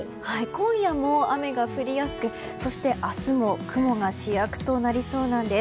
今夜も雨が降りやすくそして、明日も雲が主役となりそうなんです。